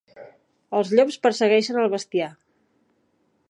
Els llops perseguien el bestiar.